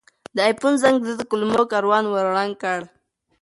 د آیفون زنګ د ده د کلمو کاروان ور ړنګ کړ.